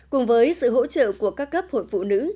cùng với sự hỗ trợ của các cấp hội phụ nữ